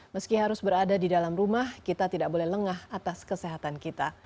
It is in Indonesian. meski harus berada di dalam rumah kita tidak boleh lengah atas kesehatan kita